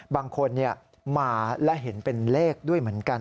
บางคนมาและเห็นเป็นเลขด้วยเหมือนกัน